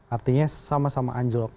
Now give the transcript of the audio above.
artinya sama sama anjlok